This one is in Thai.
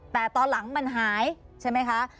แต่ตอนหลังมันหายใช่ไหมคะ